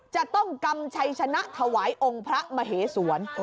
จะต้องกำชัยชนะถวายองค์พระมเหสวร